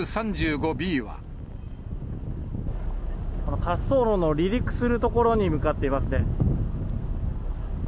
この滑走路の離陸する所に向かっていますね。